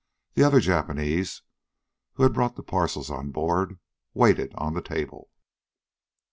The other Japanese, who had brought the parcels on board, waited on the table.